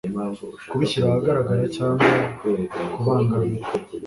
kubishyira ahagaragara cyangwa kubangamira